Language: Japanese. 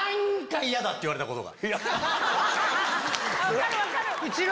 言われたことが。